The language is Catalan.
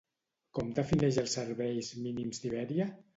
Com defineix els serveis mínims d'Ibèria?